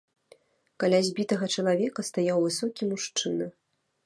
Каля збітага чалавека стаяў высокі мужчына.